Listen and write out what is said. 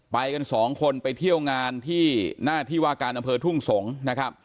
ไปกันสองคนไปเที่ยวงานที่หน้าที่ว่าการอำเภอทุ่งสงศ์นะครับ